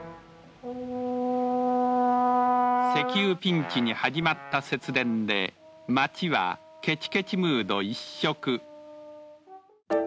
石油ピンチに始まった節電で街はけちけちムード一色。